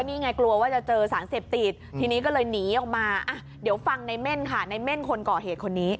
นี่ไงกลัวว่าจะเจอสารเสพติดทีนี้ก็เลยหนีออกมาเดี๋ยวฟังในเม่นค่ะในเม่นคนก่อเหตุคนนี้